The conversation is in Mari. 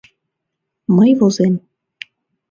Мый возем...